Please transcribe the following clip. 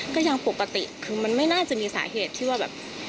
ก็ยังปกติคือมันไม่น่าจะมีสาเหตุที่ว่าแบบ